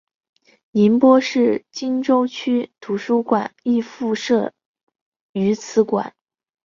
宁波市鄞州区图书馆亦附设于此馆。